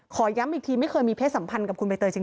ย้ำอีกทีไม่เคยมีเพศสัมพันธ์กับคุณใบเตยจริง